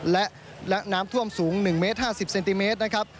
และน้ำท่วมสูง๑เมตร๕๐เซนติเมตรนะครับ